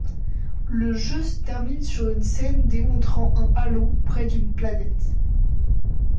Le jeu se termine sur une scène démontrant un Halo près d'une planète.